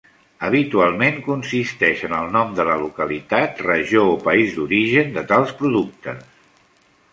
Habitualment, consisteix en el nom de la localitat, regió o país d'origen de tals productes.